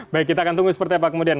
baik kita akan tunggu seperti apa kemudian